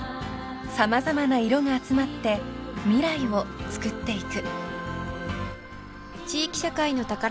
［様々な色が集まって未来をつくっていく］